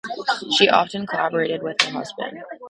She often collaborated with her husband.